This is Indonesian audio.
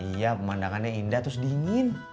iya pemandangannya indah terus dingin